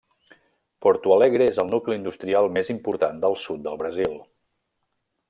Porto Alegre és el nucli industrial més important del sud del Brasil.